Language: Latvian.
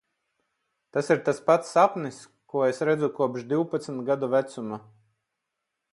Tas ir tas pats sapnis, ko es redzu kopš divpadsmit gadu vecuma.